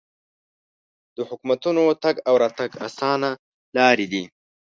د حکومتونو تګ او راتګ اسانه لارې دي.